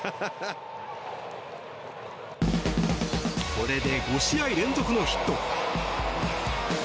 これで５試合連続のヒット。